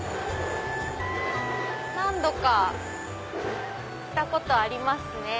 何度か来たことありますね。